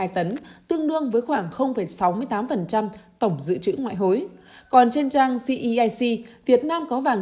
hai tấn tương đương với khoảng sáu mươi tám tổng dự trữ ngoại hối còn trên trang cec việt nam có vàng